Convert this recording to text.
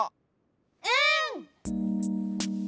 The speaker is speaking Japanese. うん！